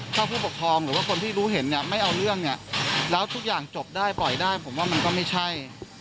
ถ้าผู้ปกครองหรือว่าคนที่รู้เห็นเนี่ยไม่เอาเรื่องเนี่ยแล้วทุกอย่างจบได้ปล่อยได้ผมว่ามันก็ไม่ใช่